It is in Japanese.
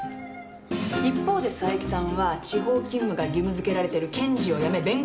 一方で佐伯さんは地方勤務が義務付けられてる検事を辞め弁護士に転向。